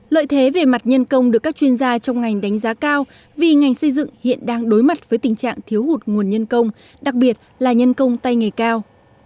lợi thế về mặt nhân công được các chuyên gia trong ngành đánh giá cao vì ngành xây dựng hiện đang đối mặt với tình trạng thiếu hụt nguồn nhân công đặc biệt là nhân công tay nghề cao